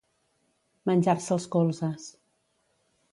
Menjar-se els colzes.